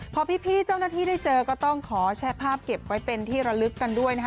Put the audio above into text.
พอพี่เจ้าหน้าที่ได้เจอก็ต้องขอแชะภาพเก็บไว้เป็นที่ระลึกกันด้วยนะคะ